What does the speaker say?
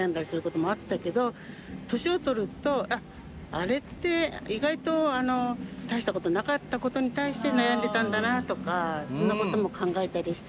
あれって意外と大した事なかった事に対して悩んでたんだなとかそんな事も考えたりして。